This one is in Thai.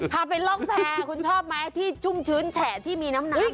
ข้าเป็นร่องแพ้คุณชอบไหมที่ชุ่มชื้นแฉะที่มีน้ำน้ำ